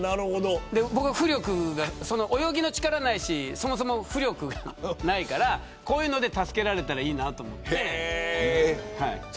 僕は泳ぎの力がないしそもそも浮力がないからこういうので助けられたらいいなと思って。